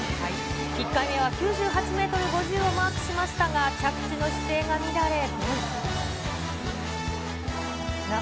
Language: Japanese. １回目は９８メートル５０をマークしましたが、着地の姿勢が乱れ５位。